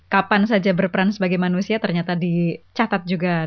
kapan saja berperan sebagai manusia ternyata dicatat juga